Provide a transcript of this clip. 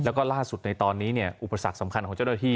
แล้วก็ล่าสุดในตอนนี้อุปสรรคสำคัญของเจ้าหน้าที่